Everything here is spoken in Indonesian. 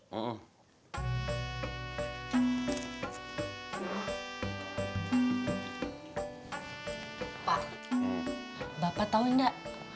pak bapak tau nggak